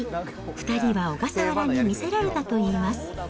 ２人は小笠原に魅せられたといいます。